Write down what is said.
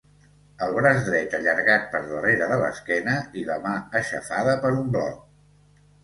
El braç dret allargat per darrere de l'esquena i la mà aixafada per un bloc.